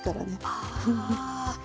ああ。